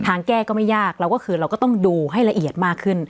แก้ก็ไม่ยากเราก็คือเราก็ต้องดูให้ละเอียดมากขึ้น